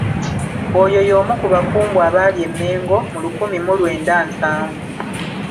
Oyo y'omu ku bakungu abaali e Mengo mu lukumi mu lwenda nsanvu.